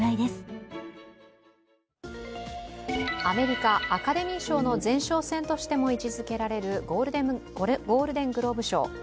アメリカ・アカデミー賞の前哨戦としても位置づけられるゴールデングローブ賞。